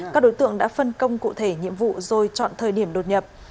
các đối tượng đã phân công cụ thể nhiệm vụ rồi chọn thời điểm đột nhập